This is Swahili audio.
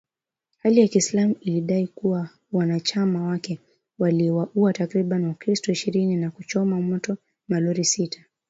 Hali ya kiislamu ilidai kuwa wanachama wake waliwauwa takribani wakristo ishirini na kuchoma moto malori sita